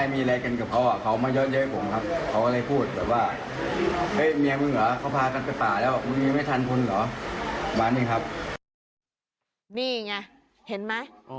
มีอย่างนี้เห็นไหม